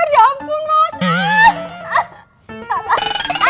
ya ampun mas